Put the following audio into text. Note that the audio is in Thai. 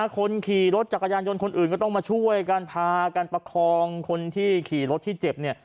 คนขี่รถจักรยานยนต์คนอื่นก็ต้องมาช่วยกันพากันประคองคนที่ขี่รถที่เจ็บเนี่ย